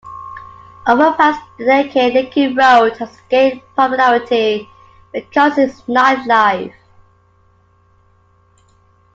Over past decade linking road has gained popularity because its night life.